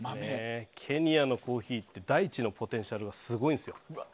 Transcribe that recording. ケニアのコーヒーって大地のポテンシャルがすごいんですよ。